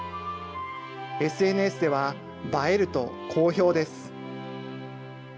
ＳＮＳでは、映えると好評です。